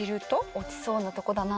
落ちそうなとこだな。